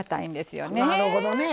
なるほどね。